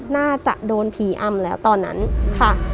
น่าจะโดนผีอำแล้วตอนนั้นค่ะ